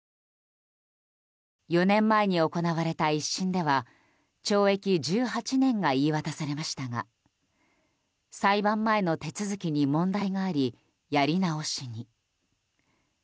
４年前に行われた１審では懲役１８年が言い渡されましたが裁判前の手続きに問題がありやり直しに。